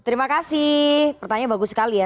terima kasih pertanyaan bagus sekali ya